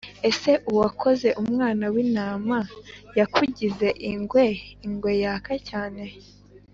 ese uwakoze umwana w'intama yakugize ingwe! ingwe! yaka cyane